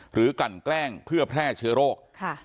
กลั่นแกล้งเพื่อแพร่เชื้อโรค